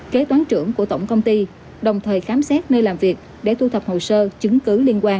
kế toán trưởng của tổng công ty đồng thời khám xét nơi làm việc để thu thập hồ sơ chứng cứ liên quan